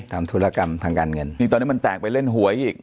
ธุรกรรมทางการเงินนี่ตอนนี้มันแตกไปเล่นหวยอีก